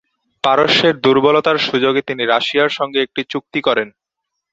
পারস্যের দুর্বলতার সুযোগে তিনি রাশিয়ার সঙ্গে একটি চুক্তি করেন।